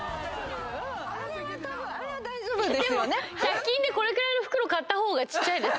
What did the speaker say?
百均でこれくらいの袋買った方がちっちゃいです。